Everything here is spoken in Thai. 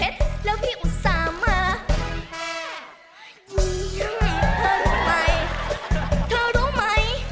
เธอรู้ไหมเธอรู้ไหม